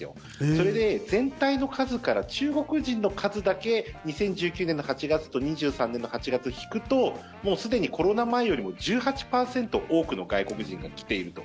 それで全体の数から中国人の数だけ２０１９年の８月と２３年の８月を引くともうすでにコロナ前よりも１８％多くの外国人が来ていると。